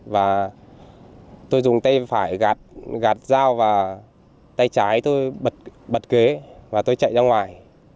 và tôi dùng tay phải gạt dao và tay trái tôi bật kế và tôi chạy ra ngoài